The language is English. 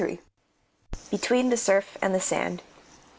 BETWEEN THE SURF AND THE SAND.